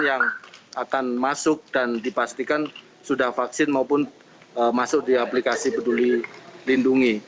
yang akhirnya disiapkan